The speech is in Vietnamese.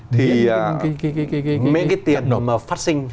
thì mấy cái tiền mà phát sinh